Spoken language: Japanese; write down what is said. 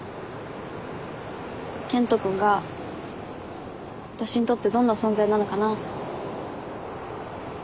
健人君が私にとってどんな存在なのかなって。